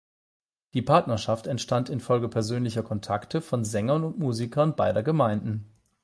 Die Partnerschaft entstand infolge persönlicher Kontakte von Sängern und Musikern beider Gemeinden.